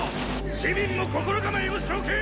市民も心構えをしておけ！！